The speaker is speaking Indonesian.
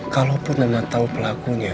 kalaupun mama tau pelakunya